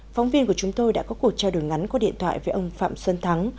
phóng viên của chúng tôi đã có cuộc trao đổi ngắn qua điện thoại với ông phạm xuân thắng